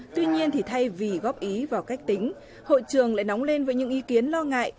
tuy nhiên thì thay vì góp ý vào cách tính hội trường lại nóng lên với những ý kiến lo ngại